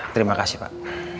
terima kasih pak